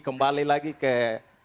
kembali lagi ke apa